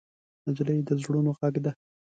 نجلۍ د زړونو غږ ده.